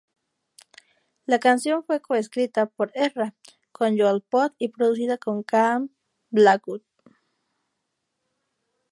La canción fue co-escrita por Ezra con Joel Pott y producida por Cam Blackwood.